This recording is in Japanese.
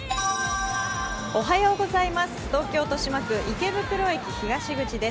東京・豊島区池袋駅東口です。